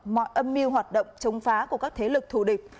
mọi âm mưu hoạt động chống phá của các thế lực thù địch